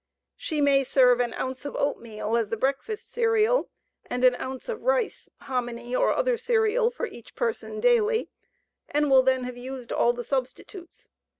She may serve an ounce of oatmeal as the breakfast cereal and an ounce of rice, hominy, or other cereal for each person daily and will then have used all the substitutes.